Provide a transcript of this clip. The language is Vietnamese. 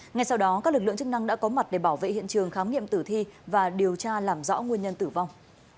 ngay sau đó các lực lượng chức năng đã có mặt để bảo vệ hiện trường khám nghiệm tử thi và điều tra làm rõ nguyên nhân tử vong